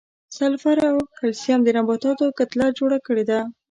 سلفر او کلسیم د نباتاتو کتله جوړه کړې ده.